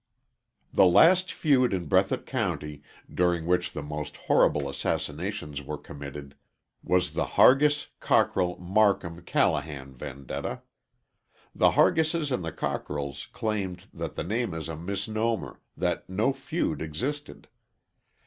The last feud in Breathitt County, during which the most horrible assassinations were committed, was the Hargis Cockrell Marcum Callahan vendetta. The Hargises and the Cockrells claimed that the name is a misnomer that no feud existed.